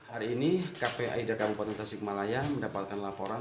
hari ini kpaid kabupaten tasikmalaya mendapatkan laporan